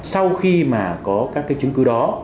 sau khi mà có các chứng cứ đó